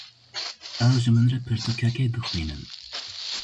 Ew ji min re pirtûkekê dixwînin.